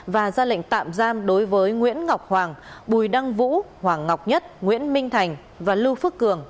và ra lệnh tạm giam đối với nguyễn ngọc hoàng bùi đăng vũ hoàng ngọc nhất nguyễn minh thành và lưu phước cường